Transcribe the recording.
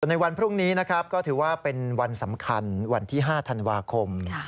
ในวันพรุ่งนี้นะครับก็ถือว่าเป็นวันสำคัญวันที่๕ธันวาคม